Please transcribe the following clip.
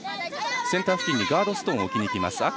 センター付近にガードストーンを置きにいきます。